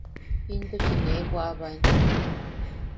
Intuchi nee bwaʼabaen.